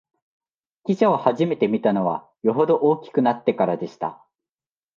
汽車をはじめて見たのは、よほど大きくなってからでした